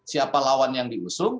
siapa lawan yang diusung